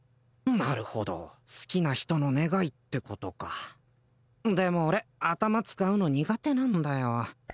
なるほど好きな人の願いってことかでも俺頭使うの苦手なんだよ